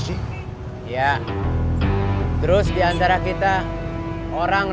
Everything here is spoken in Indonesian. saya di jembatan